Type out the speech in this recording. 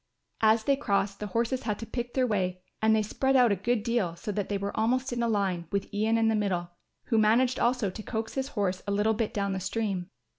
As they crossed, the horses had to pick their way and they spread out a good deal so that they were almost in a line, with Ian in the middle, who managed also to coax his horse a little bit down the stream.